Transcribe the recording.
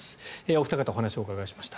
お二方、お話を伺いました。